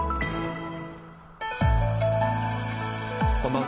こんばんは。